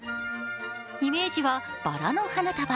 イメージはバラの花束。